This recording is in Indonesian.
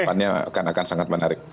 ke depannya akan sangat menarik